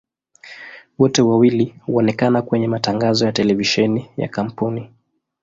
Wote wawili huonekana kwenye matangazo ya televisheni ya kampuni.